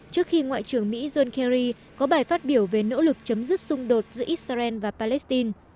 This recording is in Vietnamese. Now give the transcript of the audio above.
trước khi ngoại trưởng mỹ john kerry có bài phát biểu về nỗ lực chấm dứt xung đột giữa israel và palestine